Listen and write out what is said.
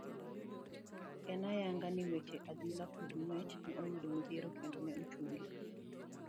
En ayanga ni weche adhula kod ngwech ne oyudo midhiero kendo ne ochung' gi.